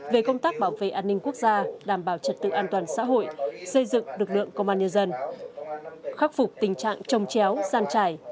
về công tác bảo vệ an ninh quốc gia đảm bảo trật tự an toàn xã hội xây dựng lực lượng công an nhân dân khắc phục tình trạng trông chéo gian trải